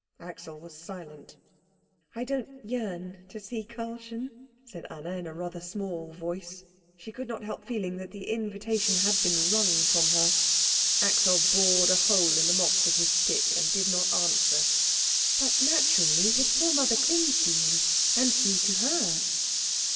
Axel was silent. "I don't yearn to see Karlchen," said Anna in rather a small voice. She could not help feeling that the invitation had been wrung from her. Axel bored a hole in the moss with his stick, and did not answer. "But naturally his poor mother clings to him, and he to her."